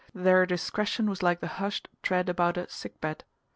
Their discretion was like the hushed tread about a sick bed.